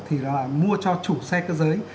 thì là mua cho chủ xe cơ giới